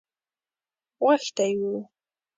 غوښتی وو.